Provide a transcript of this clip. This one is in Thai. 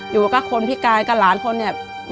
อยู่กับคนพิการกับหลานคนเนี่ย